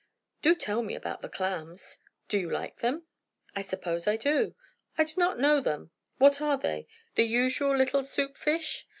"Do tell me about the clams." "Do you like them?" "I suppose I do. I do not know them. What are they? the usual little soup fish?"